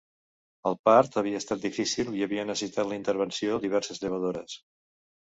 El part havia estat difícil i havia necessitat la intervenció diverses llevadores.